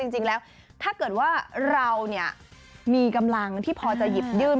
จริงแล้วถ้าเกิดว่าเรามีกำลังที่พอจะหยิบยื่น